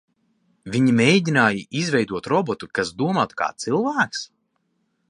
Viņi mēģināja izveidot robotu, kas domātu kā cilvēks?